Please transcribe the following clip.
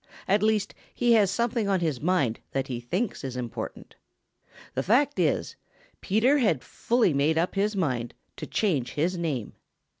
At least he has something on his mind that he thinks is important. The fact is, Peter had fully made up his mind to change his name.